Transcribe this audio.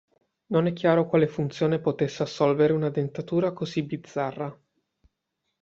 Non è chiaro quale funzione potesse assolvere una dentatura così bizzarra.